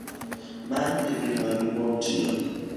Mar ji gi mwandu kuom tiyo